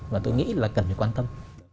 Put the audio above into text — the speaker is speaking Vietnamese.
mà tôi nghĩ là cần phải quan tâm